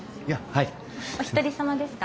お一人様ですか？